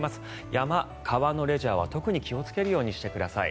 山、川のレジャーは特に気をつけるようにしてください。